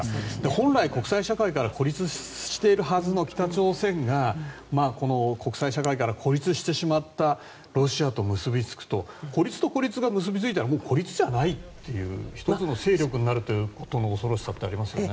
本来、国際社会から孤立しているはずの北朝鮮が、この国際社会から孤立してしまったロシアと結びつくと孤立と孤立が結びついたら孤立じゃないという１つの勢力になることの恐ろしさってありますよね。